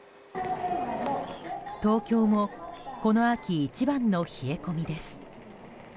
東京もこの秋一番の冷え込みです。